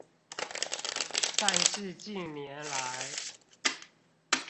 但是近年來